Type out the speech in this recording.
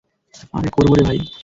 আরে করব রে ভাই।